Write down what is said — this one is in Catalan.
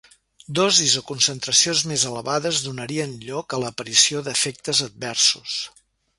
Dosis o concentracions més elevades donarien lloc a l'aparició d'efectes adversos.